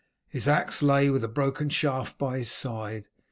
His axe lay with a broken shaft by his side.